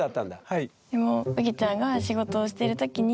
はい。